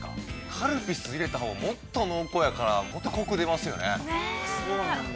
カルピス入れたほうが、もっと濃厚やから、もっとコクが出ますよね。